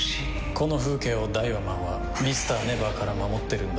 この風景をダイワマンはＭｒ．ＮＥＶＥＲから守ってるんだ。